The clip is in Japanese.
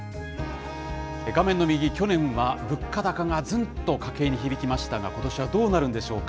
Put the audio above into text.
画面の右、去年は物価高がずんと家計に響きましたが、ことしはどうなるんでしょうか。